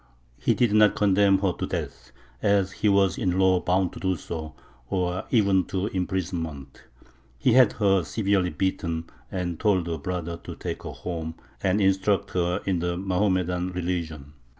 He did not condemn her to death as he was in law bound to do or even to imprisonment; he had her severely beaten, and told her brother to take her home and instruct her in the Mohammedan religion.